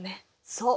そう。